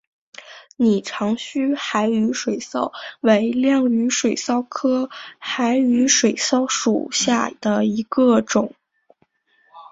拟长须海羽水蚤为亮羽水蚤科海羽水蚤属下的一个种。